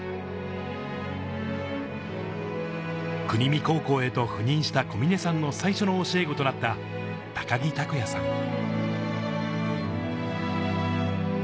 国見高校へと赴任した小嶺さんの最初の教え子となった高木琢也さん。